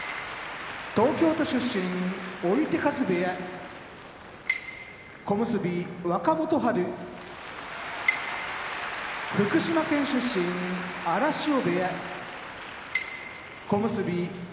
追手風部屋小結・若元春福島県出身荒汐部屋小結・霧